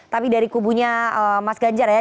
tapi dari kubunya mas ganjar ya